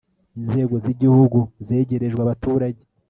inzego z' igihugu zegerejwe abaturage